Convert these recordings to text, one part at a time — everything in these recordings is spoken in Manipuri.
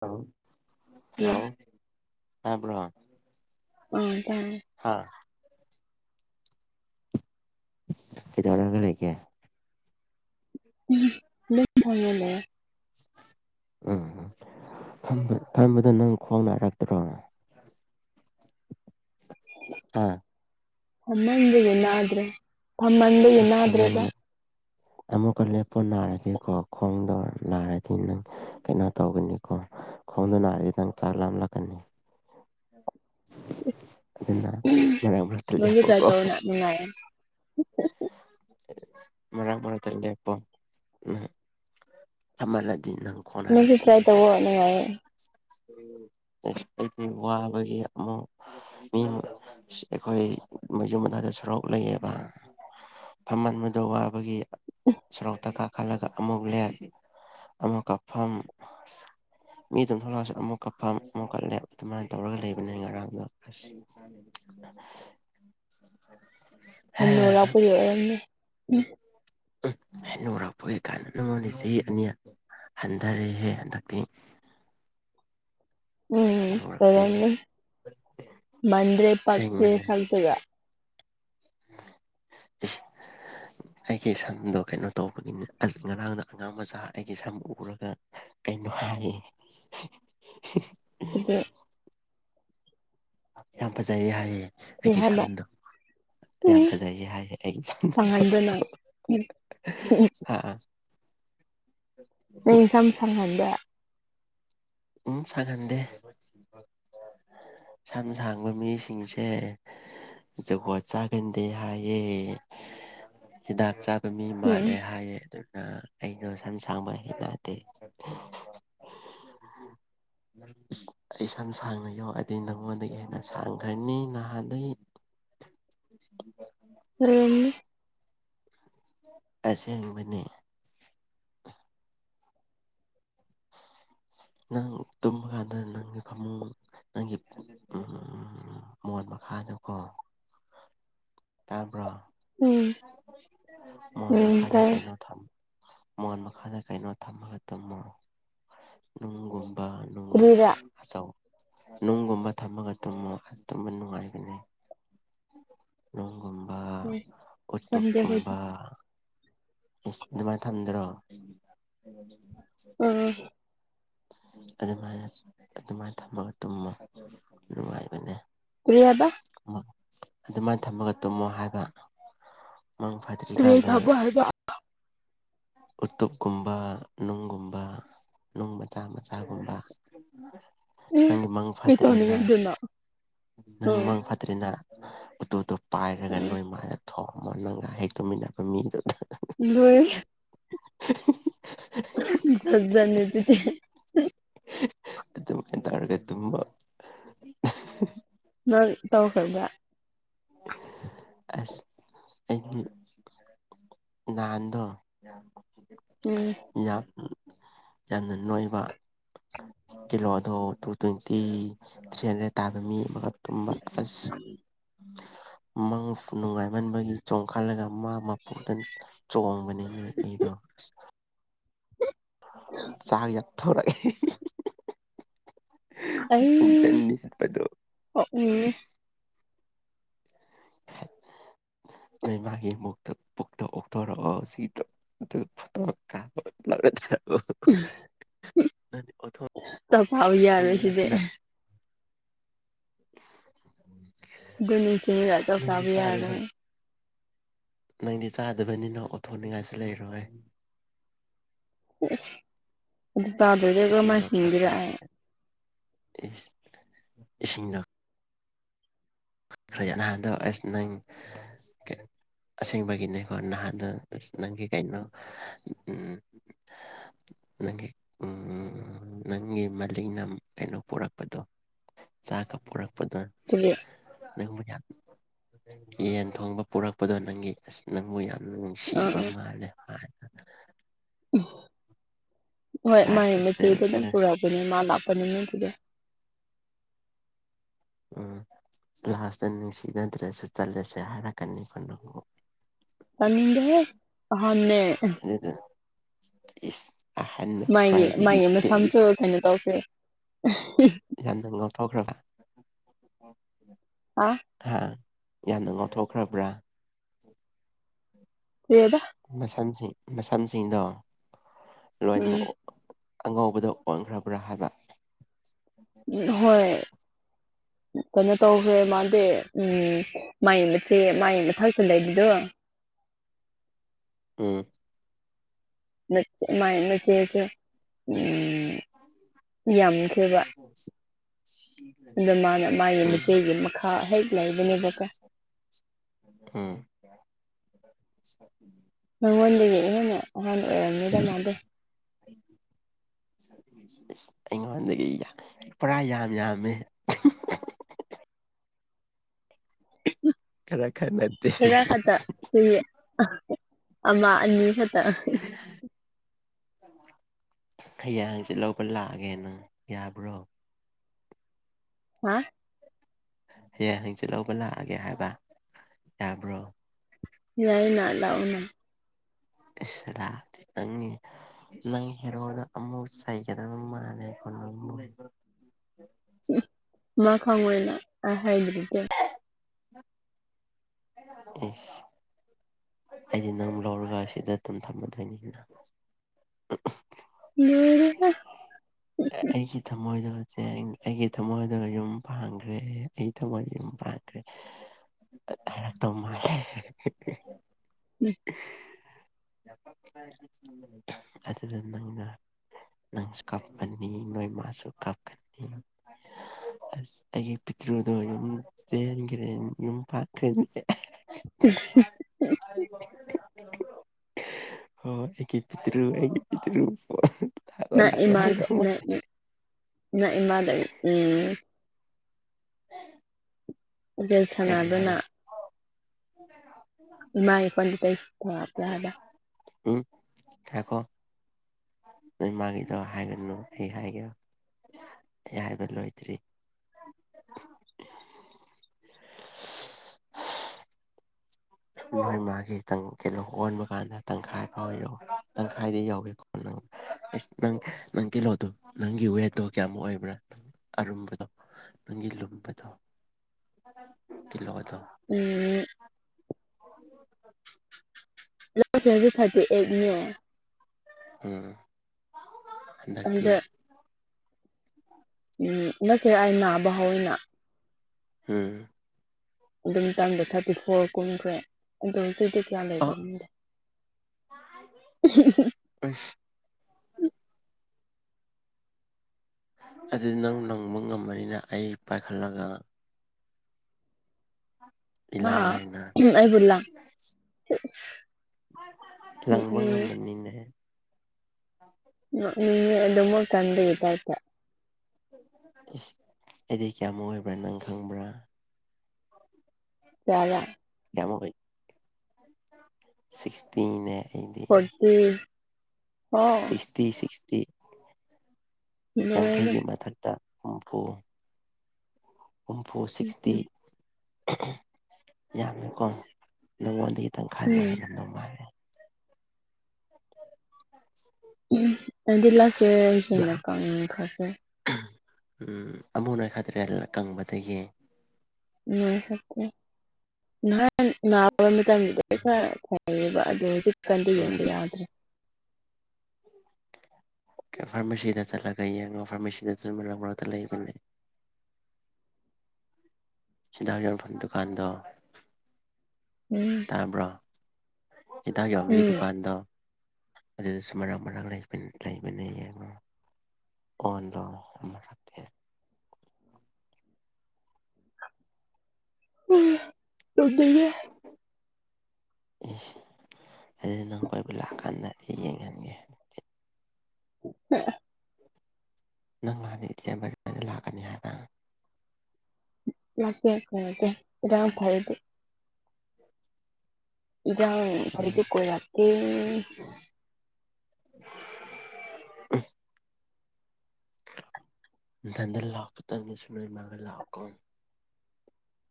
ꯍꯂꯣ ꯍꯜꯂꯣ ꯇꯥ ꯕ꯭ꯔꯣ ꯑꯣ ꯇꯥꯏ ꯍꯥ ꯀꯩꯗꯧꯔꯒ ꯂꯩꯒꯦ ꯎꯝ ꯏꯅꯛ ꯅꯛꯅ ꯂꯩꯌꯦ ꯎꯝ ꯎ ꯐꯝꯕ ꯐꯝꯕꯗ ꯅꯪ ꯈꯋꯥꯡ ꯅꯔꯛꯇ꯭ꯔꯣ ꯑꯥ ꯐꯝꯃꯟꯕꯒꯤ ꯅꯥꯗ꯭ꯔꯦ ꯐꯝꯃꯟꯕꯒꯤ ꯏꯁ ꯅꯥꯗ꯭ꯔꯦꯕ ꯐꯃꯟꯅꯤ ꯑꯃꯨꯛꯀ ꯂꯦꯞꯄ ꯅꯥꯔꯗꯤꯀꯣ ꯈꯣꯡꯗꯣ ꯅꯥꯔꯗꯤ ꯅꯪ ꯀꯩꯅꯣ ꯇꯧꯒꯅꯤꯀꯣ ꯈꯣꯡꯗꯨꯅꯔꯗꯤ ꯅꯪ ꯆꯥꯛ ꯂꯥꯝꯂꯛꯀꯅꯤ ꯑꯗꯨꯅ ꯃꯔꯛ ꯃꯔꯛꯇ ꯅꯪꯁꯨ ꯇ꯭ꯔꯥꯏ ꯂꯦꯞꯄꯨꯀꯣ ꯇꯧꯑꯣꯅ ꯅꯨꯡꯉꯥꯏꯌꯦ ꯃꯔꯥꯛ ꯃꯔꯛꯇ ꯂꯦꯞꯄꯣ ꯅꯪ ꯐꯝꯃꯜꯂꯗꯤ ꯅꯪ ꯅꯪꯖꯨ ꯇ꯭ꯔꯥꯏ ꯇꯧꯑꯣ ꯅꯨꯡꯉꯥꯏꯌꯦ ꯎꯝ ꯑꯩ ꯗꯤ ꯋꯥꯕꯒꯤ ꯑꯃꯨꯛ ꯃꯤ ꯑꯩꯈꯣꯏ ꯃꯌꯨꯝ ꯃꯅꯥꯛꯗ ꯁꯣꯔꯣꯛ ꯂꯩꯌꯦꯕ ꯐꯝꯃꯟꯕꯗꯣ ꯋꯥꯕꯒꯤ ꯁꯣꯔꯣꯛꯇ ꯀꯥꯈꯜꯂꯒ ꯑꯃꯨꯛ ꯂꯦꯞ ꯑꯃꯛꯀ ꯐꯝ ꯃꯤ ꯑꯗꯨꯝ ꯊꯣꯛꯂꯛꯑꯁꯨ ꯑꯃꯨꯛ ꯀ ꯐꯝ ꯑꯃꯨꯛ ꯀ ꯂꯦꯞ ꯑꯗꯨꯃꯥꯏꯅ ꯇꯧꯔꯒ ꯂꯩꯕꯅꯦ ꯉꯔꯥꯡꯗꯣ ꯑꯁꯤ ꯆ [inaudible] ꯍꯅꯨꯔꯛꯄꯒꯤ ꯑꯣꯏꯔꯝꯅꯤ ꯍꯝ ꯎ ꯍꯅꯨꯔꯛꯄꯒꯤ ꯀꯥꯟꯅ ꯅꯉꯣꯟꯗꯩ ꯆꯍꯤ ꯑꯅꯤ ꯍꯟꯗꯔꯦꯍꯦ ꯍꯟꯗꯛꯇꯤ ꯎꯝ ꯍꯅꯨꯔꯛꯇꯦ ꯑꯣꯏꯔꯝꯅꯤ ꯃꯥꯟꯗꯔꯦ ꯄꯛꯇꯦ ꯑꯁꯦꯡꯕꯅꯦ ꯁꯛꯇꯨꯒ [unintelligible] ꯑꯩꯒꯤ ꯁꯝꯗꯣ ꯀꯩꯅꯣ ꯇꯧꯕꯒꯤꯅꯦ ꯑꯁ ꯉꯔꯥꯡꯅ ꯑꯉꯥꯡ ꯃꯆꯥ ꯑꯩꯒꯤ ꯁꯝ ꯎꯔꯒ ꯀꯩꯅꯣ ꯍꯥꯏꯌꯦ ꯑꯗꯨ ꯌꯥꯝ ꯐꯖꯩꯌꯦ ꯍꯥꯏꯌꯦ ꯀꯔꯤ ꯑꯩ ꯒꯤ ꯍꯥꯏꯕ ꯁꯝꯗꯣ ꯌꯥꯝ ꯎꯝ ꯐꯖꯩꯌꯦ ꯍꯥꯏꯌꯦ ꯑꯩꯒꯤ ꯁꯝꯗꯣ ꯁꯪꯍꯟꯕ꯭ꯔ ꯅꯪ ꯎꯝ ꯎꯝ. ꯍꯥ ꯑꯥ ꯅꯪꯒꯤ ꯁꯝ ꯁꯪꯍꯟꯗꯦ ꯎꯝ ꯁꯥꯡꯍꯟꯗꯦ ꯁꯝ ꯁꯥꯡꯕ ꯃꯤꯁꯤꯡꯁꯦ ꯖꯨꯒꯣꯠ ꯆꯥꯒꯟꯗꯦ ꯍꯥꯏꯌꯦ ꯍꯤꯗꯥꯛ ꯆꯥ ꯃꯤ ꯎꯝ ꯃꯥꯜꯂꯦ ꯍꯥꯏꯌꯦ ꯑꯗꯨꯅ ꯑꯩꯗꯣ ꯁꯝ ꯁꯥꯡꯕ ꯍꯦꯟꯅꯗꯦ ꯎ ꯑꯁ ꯑꯩ ꯁꯝ ꯁꯥꯡꯅ ꯌꯣꯛꯑꯗꯤ ꯅꯪꯉꯣꯟꯗꯒꯤ ꯍꯦꯟꯅ ꯁꯥꯡꯈ꯭ꯔꯅꯤ ꯅꯍꯥꯟꯗꯒꯤ [unintelligible] [unintelligible] ꯅꯤ ꯑꯁꯦꯡꯕꯅꯦ ꯅꯪ ꯇꯨꯝꯕꯀꯥꯟꯗ ꯅꯪꯒꯤ ꯐꯃꯨꯡ ꯅꯪꯒꯤ ꯎꯝ ꯃꯣꯟ ꯃꯈꯥꯗꯨꯀꯣ ꯇꯥꯕ꯭ꯔꯣ ꯎꯝ ꯃꯣꯟ ꯎꯝ ꯃꯈꯥꯗ ꯇꯥꯏ ꯀꯩꯅꯣ ꯊꯝ ꯃꯣꯟ ꯃꯈꯥꯗ ꯀꯩꯅꯣ ꯊꯝꯃꯒ ꯇꯨꯝꯃꯣ ꯅꯨꯡꯒꯨꯝꯕ ꯅꯨꯡ ꯀꯔꯤꯔ ꯑꯆꯧ ꯅꯨꯡꯒꯨꯝꯕ ꯊꯝꯃꯒ ꯇꯨꯝꯃꯣ ꯇꯨꯝꯕ ꯅꯨꯡꯉꯥꯏꯕꯅꯤ ꯎ ꯎꯝ ꯊꯖꯗꯦ ꯈꯣꯏꯗꯤ ꯎꯇꯣꯞꯀꯨꯝꯕ ꯏꯁ ꯑꯗꯨꯃꯥꯏꯅ ꯊꯝꯗ꯭ꯔꯣ ꯑꯥ ꯑꯗꯨꯃꯥꯏꯅ ꯑꯗꯨꯃꯥꯏꯅ ꯊꯝꯃꯒ ꯇꯨꯝꯃꯨ ꯅꯨꯡꯉꯥꯏꯕꯅꯦ ꯀꯔꯤꯍꯕ ꯑꯗꯨꯃꯥꯏꯅ ꯊꯝꯃꯒ ꯇꯨꯝꯃꯣ ꯍꯥꯏꯕ ꯃꯪ ꯀꯔꯤ ꯐꯗ꯭ꯔꯤꯀꯥꯟꯗ ꯊꯕꯛ ꯍꯥꯏꯕ ꯎꯇꯨꯞꯀꯨꯝꯕ ꯅꯨꯡꯒꯨꯝꯕ ꯅꯨꯡ ꯃꯆꯥ ꯃꯆꯥꯒꯨꯝꯕ ꯅꯪꯒꯤ ꯃꯪ ꯀꯩ ꯐꯇ꯭ꯔꯦꯅ ꯇꯧꯅꯤꯡꯉꯥꯏꯗꯨꯅꯣ ꯅꯪ ꯎꯝ ꯃ ꯐ ꯠꯇꯔꯤꯅ ꯎꯇꯣꯗꯣ ꯄꯥꯏꯔꯒ ꯎꯝ ꯅꯣꯏ ꯃꯥꯅ ꯊꯣꯝꯃ ꯅꯪꯒ ꯍꯦꯛ ꯇꯨꯃꯤꯟꯅꯕ ꯃꯤꯗꯨꯗ ꯂꯣꯏ [unintelligible] ꯆꯁꯖꯅꯤ ꯇꯦ ꯑꯗꯨꯃꯥꯏꯅ ꯇꯥꯔꯒ ꯇꯕ [unintelligible] ꯅꯣꯔꯤ ꯇꯧ ꯀꯗ꯭ꯔ ꯑꯁ ꯑꯩ ꯅꯍꯥꯟꯗꯣ ꯎꯝ ꯌꯥꯝ ꯌꯥꯝꯅ ꯅꯣꯏꯕ ꯀꯤꯂꯣꯗꯣ ꯇꯨ ꯇ꯭ꯋꯦꯟꯇꯤ ꯊ꯭ꯔꯤ ꯍꯟꯗ꯭ꯔꯦꯠ ꯇꯥꯕ ꯃꯤ ꯑꯃꯈꯛ ꯇꯨꯝꯕ ꯑꯁ ꯃꯥ ꯅꯨꯡꯉꯥꯏꯃꯟꯕꯒꯤ ꯆꯣꯡꯈꯠꯂꯒ ꯃꯥ ꯃꯄꯨꯔꯗ ꯆꯣꯡꯕꯅꯤꯅ ꯑꯩꯗꯣ ꯑ ꯆꯥꯛ ꯌꯥꯠ ꯊꯧꯔꯒꯦ ꯑꯩ ꯄꯨꯛꯇꯅꯤ ꯍꯥꯏꯕꯗꯣ ꯎꯝ ꯅꯣꯏ ꯃꯥꯒꯤ ꯃꯛꯇ ꯄꯨꯛꯇ ꯑꯣꯊꯣꯔꯛꯑꯣ ꯁꯤꯗ ꯑꯗꯨ ꯀꯥ ꯆ ꯎꯝ ꯅꯗꯤ ꯑꯣꯊ ꯇ ꯐꯥꯎ ꯌꯥꯗꯦ ꯁꯤꯗꯤ ꯎꯝ ꯑꯗꯨꯁꯤꯅꯤꯒꯖꯧ ꯐꯥꯕꯤ ꯌꯥꯅ ꯅꯪꯗꯤ ꯆꯥꯗꯕꯅꯤꯅ ꯑꯣꯊꯣꯅꯤꯡꯉꯥꯏꯁꯨ ꯂꯩꯔꯣꯏ ꯑꯦꯁ ꯑꯗꯨ ꯆꯥꯗ꯭ꯔꯣꯏꯗꯒ ꯃꯥ ꯏꯁꯤꯡꯗꯣ ꯍꯤꯡꯕꯤꯔꯛꯑꯦ ꯏꯁꯤꯡꯗ ꯈꯔꯦ ꯑꯍꯥꯟꯗꯣ ꯑꯁ ꯅꯪ ꯑꯁꯦꯡꯕꯒꯤꯅꯦꯀꯣ ꯅꯍꯥꯟꯗ ꯑꯁ ꯅꯪꯒꯤ ꯀꯩꯅꯣ ꯎꯝ ꯅꯪꯒꯤ ꯎ ꯅꯪꯒꯤ ꯃꯂꯤꯡꯛꯅ ꯀꯩꯅꯣ ꯄꯨꯔꯛꯄꯗꯣ ꯆꯥ ꯀꯞ ꯄꯨꯔꯛꯄꯗ ꯀ ꯅꯪꯕꯨ ꯌꯦꯟ ꯊꯣꯡꯕ ꯄꯨꯔꯛꯄꯗꯣ ꯅꯪꯒꯤ ꯑꯁ ꯅꯪꯕꯨ ꯌꯥꯝ ꯑꯥ ꯅꯨꯡꯁꯤꯕ ꯃꯥꯜꯂꯦ ꯃꯥ ꯎ ꯍꯣꯏ ꯃꯥꯒꯤ ꯃꯆꯩꯗ ꯂꯥꯁꯇ ꯑꯗꯨꯝ ꯄꯨꯔꯛꯄꯅꯦ ꯃꯥ ꯂꯥꯛꯄꯅꯤꯅ ꯑꯗꯨꯗꯤ ꯎꯝ ꯂꯥꯁꯇ ꯅꯨꯡꯁꯤꯅꯗ꯭ꯔꯁꯨ ꯆꯠꯂꯁꯦ ꯍꯥꯏꯔꯛꯀꯅꯤ ꯀꯅ ꯇꯗꯦ ꯑꯗꯨꯗꯨꯅ ꯏꯁ ꯑꯍꯥꯟꯕ ꯈ꯭ꯋꯥꯏꯗꯒꯤ ꯊꯅꯤ ꯇꯧꯁꯦ [unintelligible] ꯌꯥꯝꯅ ꯉꯥꯎ ꯐꯥꯎꯈ꯭ꯔꯕ ꯍꯥ ꯍꯥ ꯌꯥꯝꯅ ꯉꯥꯛꯊꯣꯛꯈ꯭ꯔꯕ꯭ꯔꯥ ꯀꯗ ꯃꯁꯝꯁꯤꯡ ꯃꯁꯝꯁꯤꯡꯗꯣ ꯎꯝ ꯂꯣꯏꯃꯛ ꯑꯉꯧꯕꯗꯣ ꯑꯣꯟꯈ꯭ꯔꯕ꯭ꯔꯥ ꯍꯥꯏꯕ ꯎꯝ ꯍꯣꯏ ꯀꯩꯅꯣ ꯇꯧꯈ꯭ꯔꯦ ꯃꯥꯥꯗꯤ ꯎꯝ ꯃꯥꯏ ꯃꯆꯦ ꯃꯥꯏ ꯃꯊꯛꯇ ꯂꯩꯕꯗꯣ ꯎꯝ ꯃꯥꯏ ꯃꯆ‌ꯦꯁ‌ꯦ ꯎꯝ ꯌꯥꯝꯈꯔ‌ꯦꯕ ꯑꯗꯣ ꯃꯥꯅ ꯃꯥꯒꯤ ꯎꯝ ꯃꯒꯤ ꯃꯈꯥ ꯍꯦꯛ ꯂꯩꯕꯅꯦꯕꯀꯣ ꯎꯝ ꯅꯉꯣꯟꯗꯒꯤ ꯍꯦꯟꯅ ꯑꯍꯥꯟ ꯑꯣꯏꯔꯝꯒꯗꯕ ꯃꯥꯟꯗꯦ ꯑꯩ [unintelligible] ꯑꯁ ꯑꯩꯉꯣꯟꯗꯒꯤ ꯄꯨꯔꯥ ꯌꯥꯝ ꯌꯥꯝꯃꯦ ꯈꯔ ꯈꯔ ꯅꯠ ꯈꯔ ꯈꯛꯇ ꯑꯩꯈꯣꯏꯒꯤ ꯑꯃ ꯑꯅꯤ ꯈꯛꯇ [unintelligible] ꯍꯌꯥ‌ꯦꯡ ꯍꯥꯡꯆꯤꯠ ꯂꯧꯕ ꯂꯥꯛꯑꯒꯦ ꯅꯪ ꯌꯥꯕ꯭ꯔꯣ ꯍꯥ ꯍꯌꯦꯡ ꯍꯪꯆꯤꯠ ꯂꯧꯕ ꯂꯥꯛꯑꯒꯦ ꯍꯥꯏꯕ ꯌꯥꯕ꯭ꯔꯣ ꯌꯥꯏꯌ‌ꯦꯅ ꯂꯥꯛꯎꯅ ꯏꯁ ꯂꯥꯛꯀ‌ꯦ ꯈꯪꯅꯤ ꯅꯪ ꯍꯦꯔꯣꯅ ꯑꯃꯨꯛ ꯁꯒꯗꯕ ꯃꯥꯜꯂꯦ꯫ [unintelligible] ꯎ [unintelligible] ꯃꯥ ꯈꯪ ꯑꯣꯏꯅ ꯑꯩ ꯍꯥꯏꯕꯗꯨꯗꯤ [unintelligible] ꯏꯁ ꯑꯩꯗꯤ ꯅꯪ ꯂꯧꯔꯒ ꯁꯤꯗ ꯑꯗꯨꯝ ꯊꯝꯃꯗꯣꯏꯅꯤꯅ ꯎ [unintelligible] ꯑꯩꯒꯤ ꯊꯝꯃꯣꯏꯗꯁꯦ ꯑꯩꯒꯤ ꯊꯃꯣꯏꯗꯒ ꯌꯨꯝ ꯄꯥꯡꯈ꯭ꯔꯦ ꯑꯩ ꯊꯝꯃꯣꯏꯗ ꯌꯨꯝ ꯄꯥꯟꯈ꯭ꯔꯦ [unintelligible] ꯑꯍ‌ꯦ [unintelligible] ꯇꯧꯕꯤꯃꯜꯂ‌ꯦ [unintelligible] [unintelligible] ꯑꯗꯨꯅ ꯅꯪꯅ ꯅꯪꯖꯨꯀ‌ꯣ ꯀꯄꯅꯤ ꯅꯣꯏ ꯃꯥꯁꯨ ꯀꯥꯞꯀꯅꯤ ꯑꯁ ꯑꯩꯒꯤ ꯄꯤꯇ꯭ꯔꯨꯗꯣ ꯑꫭꯏꯅ ꯎꯝ ꯆ‌ꯦꯟꯒꯔ‌ꯦ ꯌꯨꯝ ꯄꯥꯟꯈꯔ‌ꯦ꯫ [unintelligible] ꯎ ꯏꯍꯤꯛ ꯏꯍꯤꯛ [unintelligible] [unintelligible] ꯍꫭ ꯑꯩꯒꯤ ꯄꯤꯛꯇ꯭ꯔꯨ ꯑꯩꯒꯤ ꯄꯤꯛꯇ꯭ꯔꯨ ꯅꯪ ꯂ [unintelligible] ꯏꯃꯥꯗ [unintelligible] ꯃꯥꯥꯗ ꯅꯪ ꯏ ꯃꯥꯥꯗ ꯎꯝ ꯎ [unintelligible] ꯔꯤꯜꯁ ꯀꯔꯤ ꯁꯥꯟꯅꯕ꯭ꯔ ꯍꯥꯏꯕ ꯅꯪ ꯏꯝꯃꯒꯤ [unintelligible] ꯄꯗꯩ ꯏꯁ꯭ꯔꯗ [unintelligible] ꯎꯝ ꯉꯥꯏꯈ‌ꯣ ꯅꯣꯏ ꯃꯥꯒꯤꯗꯣ ꯍꯥꯏꯒꯅꯨ ꯑꯩ ꯍꯥꯏꯒꯦ ꯑꯩ ꯍꯥꯏꯕ ꯂꯣꯏꯗ꯭ꯔꯤ ꯃꯣꯏ ꯃꯥꯒꯤ ꯇꯪ ꯀꯩꯅꯣ ꯑꯣꯟꯕ ꯀꯥꯟꯗ ꯇꯪꯈꯥꯏ ꯐꯥꯎꯕꯧ ꯇꯪꯈꯥꯏꯗꯤ ꯌꯧꯋꯤꯀꯣ ꯅꯪ ꯑꯁ ꯅꯪ ꯅꯪ ꯀꯤꯂꯣꯗꯣ ꯅꯪꯒꯤ ꯋꯦꯠꯇꯣ ꯀꯌꯥꯃꯨꯛ ꯑꯣꯏꯕ꯭ꯔꯥ ꯑꯔꯨꯝꯕꯗꯣ ꯅꯪꯒꯤ ꯂꯨꯝꯕꯗꯣ ꯀꯤꯜꯂꯣꯗꯣ ꯎꯝ [unintelligible] ꯂꯣꯁ ꯑꯦꯁ [unintelligible] ꯊꯥꯔꯇꯤ ꯑꯩꯠꯅ‌ꯦ ꯎꯝ ꯍꯟꯗꯛꯇꯤ ꯑꯗꯨꯗ ꯎꯝ ꯉꯁꯤ ꯑꯩ ꯅꯥꯕ ꯍꯧꯌ‌ꯦꯅ ꯎꯝ ꯑꯗꯨ ꯇꯥꯡꯗ ꯊꯥꯔꯇꯤ ꯐꯣꯔ ꯀꯨꯝꯈ꯭ꯔꯦ ꯑꯗꯣ ꯍꯧꯖꯤꯛꯇꯤ ꯀꯌꯥ ꯂꯩꯕ ꯑ [unintelligible] ꯑꯁ ꯑꯗꯨꯗꯤ ꯅꯪ ꯅꯪꯕ ꯉꯝꯕꯅꯤꯅ ꯑꯩ ꯄꯥꯏꯈꯠꯂꯒ ꯏꯂꯥꯏ ꯂꯥꯏꯅ [unintelligible] ꯂꯪꯕ ꯅꯣꯛꯅꯤꯡꯉꯦ ꯑꯃꯅꯤꯅꯦ [unintelligible] ꯏꯁ ꯑꯩꯗꯤ ꯀꯌꯥꯃꯨꯛ ꯑꯣꯏꯕ꯭ꯔꯥ ꯅꯪ ꯈꯪꯕ꯭ꯔꯥ [unintelligible] ꯀꯃꯨꯛꯑꯣꯏ ꯁꯤꯛꯁꯇꯤꯅꯦ ꯑꯩꯗꯤ ꯐꯣꯔꯇꯤ ꯑꯣ ꯁꯤꯛꯁꯇꯤ ꯁꯤꯛꯁꯇꯤ ꯂꯣꯏꯔꯦ ꯌꯥꯡꯈꯩꯒꯤ ꯃꯊꯛꯇ ꯍꯨꯝꯐꯨ ꯍꯨꯝꯐꯨ ꯁꯤꯛꯁꯇꯤ ꯌꯥꯝꯅ ꯀꯣ ꯅꯉꯣꯟꯗꯒꯤ ꯇꯪꯈꯥꯏꯕꯨ ꯎꯝ ꯍꯦꯟꯂꯝꯗꯧ ꯃꯥꯟ ꯑꯗꯨꯗꯤ ꯂꯥꯛꯁꯦ ꯍꯦꯅ [unintelligible] ꯎꯝ ꯑꯃꯨꯛ ꯅꯈꯗ꯭ꯔꯦ ꯀꯪꯕꯗꯒꯤ [unintelligible] ꯑꯣꯏꯌꯦꯕ ꯑꯗꯣ ꯍꯧꯖꯤꯛ ꯀꯟꯗꯤ ꯎꯝ ꯌꯦꯡꯕ ꯌꯥꯎꯗ꯭ꯔꯦ ꯐꯥꯔꯃꯥꯁꯤꯗ ꯆꯠꯂꯒ ꯌꯦꯡꯉꯣ ꯐꯥꯔꯃꯥꯁꯤꯗ [unintelligible] ꯂꯩꯕꯅꯦ ꯁꯤꯗꯥ ꯌꯣꯟꯐꯝ ꯗꯨꯀꯥꯟꯗꯣ ꯎꯝ ꯇꯥꯕꯔꯣ ꯍꯤꯗꯥꯛ ꯍꯣꯟꯕꯩ ꯎꯝ ꯗꯨꯀꯥꯟꯗꯣ ꯑꯗꯨꯗꯁꯨ ꯃꯔꯥꯡ ꯃꯔꯥꯡ ꯂꯩ ꯂꯩꯕꯟꯅꯩꯌꯦꯟꯒꯣ ꯑꯣꯗ [unintelligible] ꯏꯁ ꯑꯗꯨꯗꯤ ꯅꯪ ꯀꯣꯏꯕ ꯂꯥꯛꯀꯥꯟꯗ ꯑꯩ ꯌꯦꯡꯍꯟꯒꯦ [unintelligible] ꯅꯪ ꯂꯥꯛ [unintelligible] [unintelligible] ꯏꯗꯥꯡ ꯎꯝ ꯐꯔꯗꯤ ꯀꯣꯏꯔꯛꯀꯦ [unintelligible] ꯗꯟꯗ ꯂꯥꯛꯄ [unintelligible] ꯂꯥꯛꯀꯣ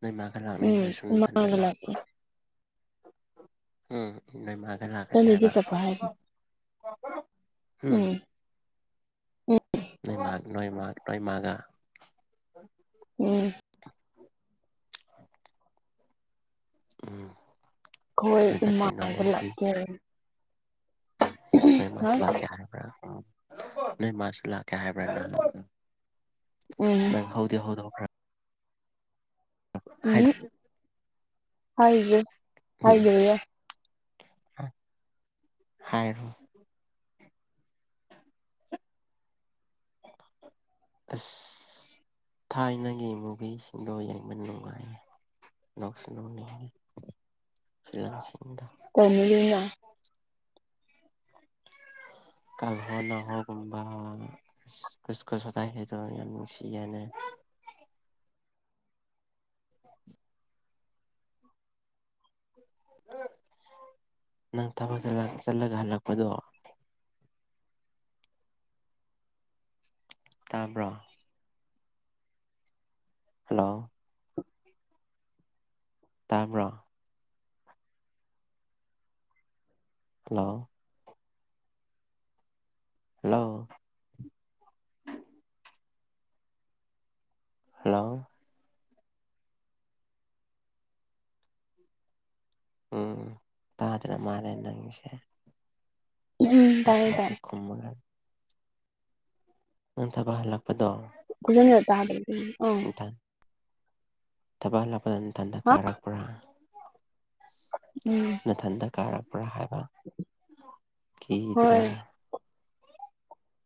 ꯅꯣꯏ ꯃꯥꯒ ꯎꯝ ꯂꯥꯛꯅꯤꯡꯗ꯭ꯔꯦ ꯁꯨꯝ ꯊꯟꯗ ꯏꯃꯥꯒ ꯂꯥꯛ ꯂꯥꯛꯀꯦ ꯎꯝ ꯅꯣꯏꯃꯥꯒ ꯂꯛ [unintelligible] ꯎꯝ ꯅꯣꯏ ꯃꯥ ꯅꯣꯏ ꯃꯥ ꯅꯣꯏ ꯃꯥ ꯎꯝ ꯎꯝ ꯈꯣꯏ ꯑꯗꯨꯗ ꯀꯩꯅꯣ ꯏꯃꯥꯒ ꯂꯩꯕꯤ ꯂꯥꯛꯀꯦ ꯅꯣꯏ ꯍꯥ ꯃꯥꯁꯨ ꯂꯥꯛꯀꯦ ꯍꯥꯏꯕ꯭ꯔꯥ ꯅꯣꯏ ꯃꯥꯁꯨ ꯂꯥꯛꯀꯦ ꯍꯥꯏꯕ꯭ꯔ ꯎꯝ ꯅꯪ ꯍꯧꯗꯤ [unintelligible] ꯍꯥꯏ ꯎꯝ ꯍꯥꯏ ꯎꯝ [unintelligible] ꯍꯥꯏꯔꯣ ꯑꯁ ꯊꯥꯏꯅꯒꯤ ꯃꯨꯚꯤꯁꯤꯡꯗꫭ ꯌꯦꯡꯕ ꯅꯨꯡꯉꯥꯏ [unintelligible] ꯇꯟꯂꯤꯅ ꯀꯜ ꯍꯅꯍꯣꯒꯨꯝꯕ ꯀꯨꯁ ꯀꯨꯁ ꯍꯣꯗꯍꯦꯗꯣ ꯌꯥꯝ ꯅꯨꯡꯁꯤ ꯌꯥꯅ ꯅꯪ ꯊꯕꯛ ꯆꯠꯂꯒ ꯍꯜꯂꯛꯄꯗꯣ ꯇꯥꯕ꯭ꯔꯣ ꯍꯜꯂꯣ ꯇꯥꯥꯏꯕ꯭ꯔ ꯍꯜꯂꯣ ꯍꯜꯂꯣ ꯍꯜꯂꯣ ꯎꯝ ꯇꯗ꯭ꯔ ꯃꯥꯔꯦ ꯅꯪꯁꯦ ꯎꯝ ꯇꯥꯏꯦ ꯇꯥꯏ ꯈ ꯃꯦ ꯅꯪꯊꯕ ꯍꯜꯂꯛꯄꯗꯣ ꯈꯜꯅ ꯆꯥꯗ ꯏꯊꯪ ꯊꯕꯛꯍꯜꯂꯛꯄꯗꯇꯟꯗ ꯍꯥ ꯀꯥꯔꯛꯄ꯭ꯔꯥ ꯎꯝ ꯃꯊꯟꯇ ꯀꯥꯔꯛꯄ꯭ꯔꯥ ꯍꯥꯏꯕ ꯀꯤꯗ꯭ꯔꯣ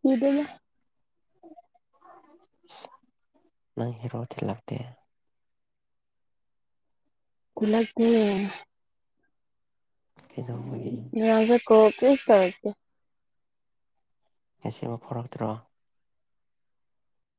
ꯁꯤꯕꯌꯥ ꯅꯪ ꯍꯔꯣꯗꯤ ꯂꯥꯛꯇꯦ ꯏꯂꯒ ꯀꯗ ꯎꯁ ꯀꯣ ꯀꯤꯁ ꯆꯁꯤ ꯉꯁꯤꯕ ꯐꯥꯎꯔꯛꯇ꯭ꯔꯣ